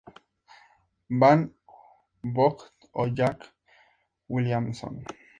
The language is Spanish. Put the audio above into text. Van Vogt o Jack Williamson.